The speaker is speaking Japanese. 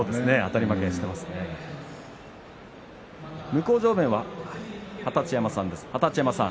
向正面は二十山さんです。